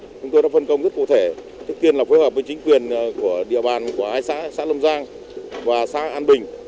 chúng tôi đã phân công rất cụ thể trước tiên là phối hợp với chính quyền của địa bàn của hai xã xã lâm giang và xã an bình